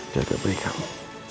jaga budi kamu